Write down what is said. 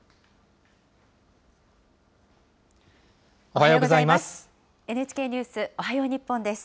おはようございます。